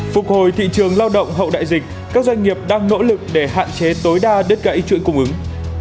phục hồi thị trường lao động hậu đại dịch các doanh nghiệp đang nỗ lực để hạn chế tối đa đứt gãy chuỗi cung ứng